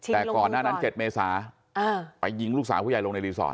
แต่ก่อนหน้านั้น๗เมษาไปยิงลูกสาวผู้ใหญ่ลงในรีสอร์ท